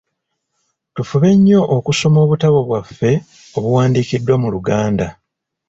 Tufube nnyo okusoma obutabo bwaffe obuwandiikiddwa mu Luganda.